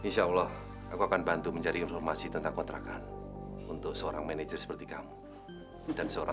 sampai jumpa di video selanjutnya